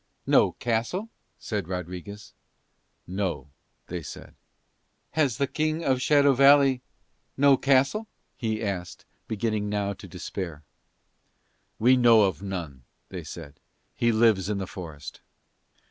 "No castle?" said Rodriguez. "No," they said. "Has the King of Shadow Valley no castle?" he asked, beginning now to despair. "We know of none," they said. "He lives in the forest."